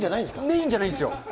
メインじゃないんですよ。